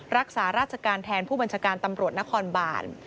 รักษาราชการแทนผู้บัญชาการตำรวจนครบาน